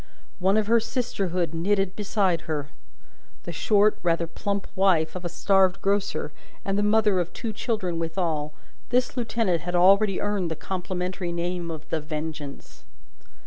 One of her sisterhood knitted beside her. The short, rather plump wife of a starved grocer, and the mother of two children withal, this lieutenant had already earned the complimentary name of The Vengeance.